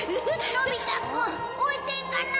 のび太くん置いていかないで。